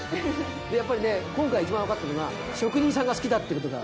やっぱりね今回いちばんよかったのが職人さんが好きだっていうことだ